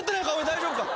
大丈夫か？